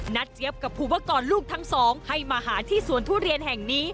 เจี๊ยบกับภูวกรลูกทั้งสองให้มาหาที่สวนทุเรียนแห่งนี้